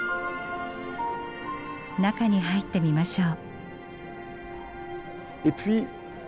中に入ってみましょう。